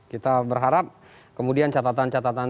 kita berharap kemudian catatan catatan